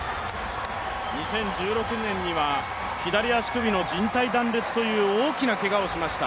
２０１６年には左足首のじん帯断裂という大きなけがをしました。